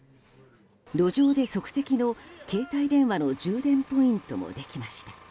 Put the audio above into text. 路上で即席の携帯電話の充電ポイントもできました。